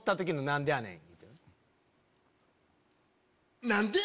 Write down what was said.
何でやねん！